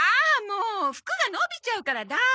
もう服が伸びちゃうからダメ！